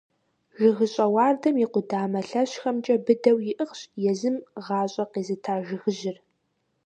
ЖыгыщӀэ уардэм и къудамэ лъэщхэмкӀэ быдэу иӀыгъщ езым гъащӀэ къезыта жыгыжьыр.